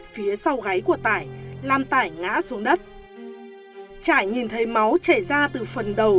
phía sau gáy của tải làm tải ngã xuống đất trải nhìn thấy máu chảy ra từ phần đầu